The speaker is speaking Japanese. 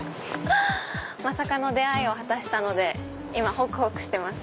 まさかの出会いを果たしたので今ほくほくしてます。